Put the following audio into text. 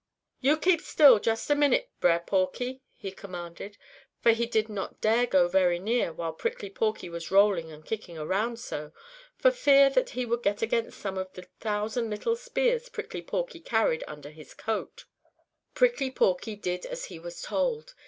"Yo' keep still just a minute, Brer Porky!" he commanded, for he did not dare go very near while Prickly Porky was rolling and kicking around so, for fear that he would get against some of the thousand little spears Prickly Porky carries hidden in his coat. Prickly Porky did as he was told.